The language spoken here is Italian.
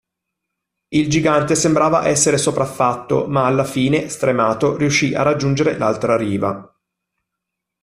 Il gigante sembrava essere sopraffatto, ma alla fine, stremato, riuscì a raggiungere l'altra riva.